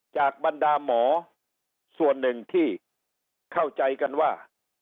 จากบรรดาหมอส่วนหนึ่งที่เข้าใจกันว่า